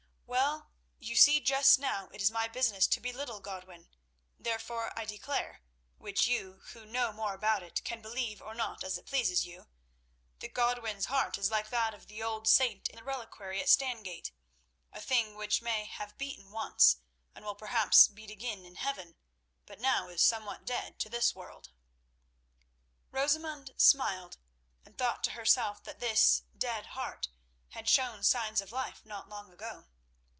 Well, you see just now it is my business to belittle Godwin. Therefore I declare—which you, who know more about it, can believe or not as it pleases you—that Godwin's heart is like that of the old saint in the reliquary at Stangate—a thing which may have beaten once, and will perhaps beat again in heaven, but now is somewhat dead—to this world." Rosamund smiled, and thought to herself that this dead heart had shown signs of life not long ago.